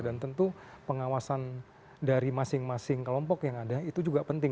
dan tentu pengawasan dari masing masing kelompok yang ada itu juga penting